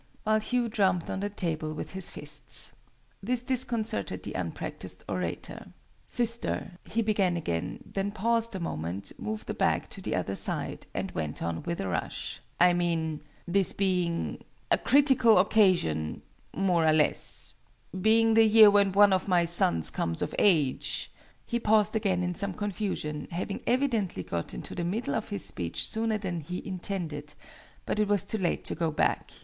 while Hugh drummed on the table with his fists. This disconcerted the unpractised orator. "Sister " he began again, then paused a moment, moved the bag to the other side, and went on with a rush, "I mean this being a critical occasion more or less being the year when one of my sons comes of age " he paused again in some confusion, having evidently got into the middle of his speech sooner than he intended: but it was too late to go back.